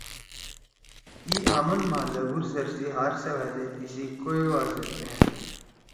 ای آمن ما لگُھور زر سی ہارسوأدے تیسی کویوا زید بیٹھ۔